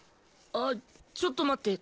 あっちょっと待って。